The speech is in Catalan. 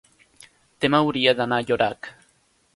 demà hauria d'anar a Llorac.